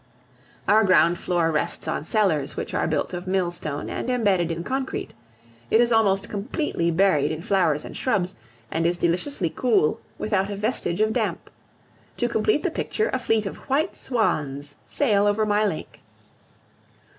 Our ground floor rests on cellars, which are built of millstone and embedded in concrete; it is almost completely buried in flowers and shrubs, and is deliciously cool without a vestige of damp. To complete the picture, a fleet of white swans sail over my lake!